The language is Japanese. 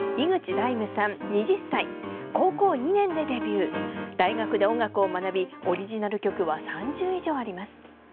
大学で音楽を学びオリジナル曲は３０以上あります。